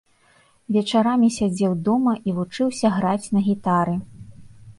Вечарамі сядзеў дома і вучыўся граць на гітары.